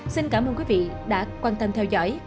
xin cảm ơn quý vị đã quan tâm theo dõi